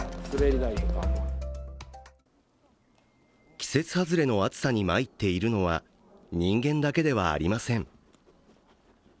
季節外れの暑さにまいっているのは人間だけではありません。